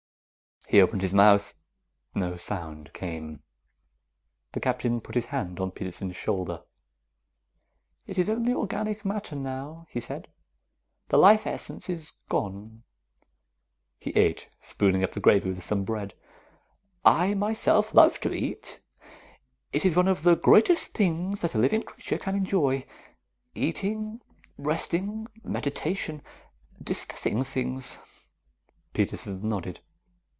He opened his mouth. No sound came. The Captain put his hand on Peterson's shoulder. "It is only organic matter, now," he said. "The life essence is gone." He ate, spooning up the gravy with some bread. "I, myself, love to eat. It is one of the greatest things that a living creature can enjoy. Eating, resting, meditation, discussing things." Peterson nodded.